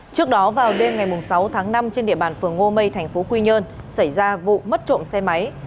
trước đó vào đêm ngày sáu tháng năm trên địa bàn phường ngô mây tp quy nhơn xảy ra vụ mất trộn xe máy